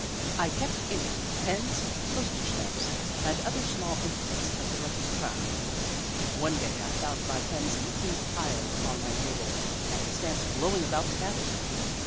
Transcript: I kept in it pens, postage stamps, and other small imple ments of the writer's craft. One day I found my pens neatly piled upon my table and the stamps blowing about the cabin.